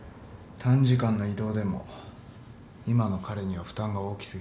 短時間の移動でも今の彼には負担が大き過ぎる。